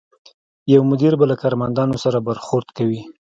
یو مدیر به له کارمندانو سره برخورد کوي.